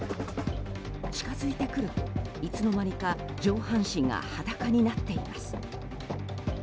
近づいてくると、いつの間にか上半身が裸になっています。